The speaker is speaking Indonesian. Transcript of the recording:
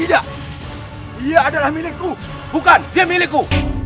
hai dia milik tidak dia adalah milikku bukan dia milikku